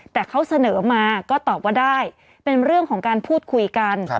แต่เขาเสนอมาก็ตอบว่าได้เป็นเรื่องของการพูดคุยกัน